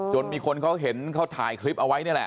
มีคนเขาเห็นเขาถ่ายคลิปเอาไว้นี่แหละ